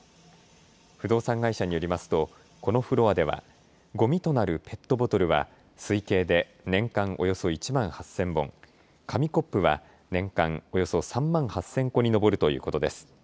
不動産会社によりますとこのフロアではごみとなるペットボトルは推計で年間およそ１万８０００本、紙コップは年間およそ３万８０００個に上るということです。